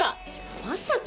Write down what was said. まさか。